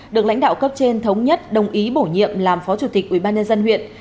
được lãnh đạo cấp trên thống nhất đồng ý bổ nhiệm làm phó chủ tịch ubnd huyện